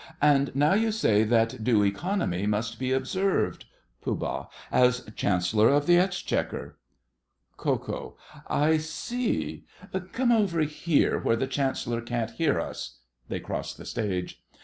And now you say that due economy must be observed. POOH. As Chancellor of the Exchequer. KO. I see. Come over here, where the Chancellor can't hear us. (They cross the stage.)